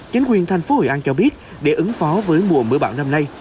chính quyền thành phố hội an cho biết để ứng phó với mùa mưa bão năm nay